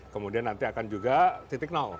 kemudian nanti akan juga titik nol